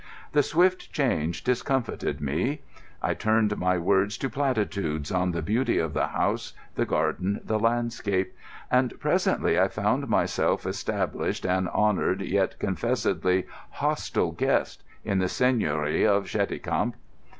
The swift change discomfited me. I turned my words to platitudes on the beauty of the house, the garden, the landscape. And presently I found myself established, an honoured yet confessedly hostile guest, in the Seigneury of Cheticamp.